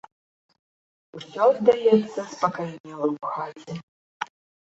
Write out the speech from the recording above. Усё, здаецца, спакайнела ў хаце.